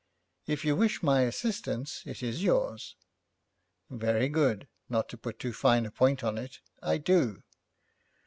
'If you wish my assistance, it is yours.' 'Very good. Not to put too fine a point upon it, I do.'